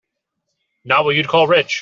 Not what you'd call rich.